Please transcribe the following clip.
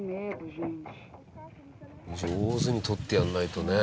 上手に取ってやらないとね。